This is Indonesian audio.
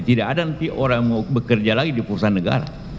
tidak ada nanti orang yang mau bekerja lagi di perusahaan negara